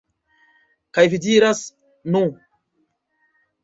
Kaj vi diras, "Nu..."